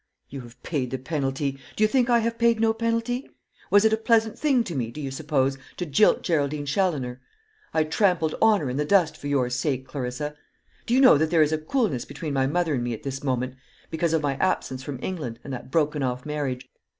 You have paid the penalty! Do you think I have paid no penalty? Was it a pleasant thing to me, do you suppose, to jilt Geraldine Challoner? I trampled honour in the dust for your sake, Clarissa. Do you know that there is a coolness between my mother and me at this moment, because of my absence from England and that broken off marriage?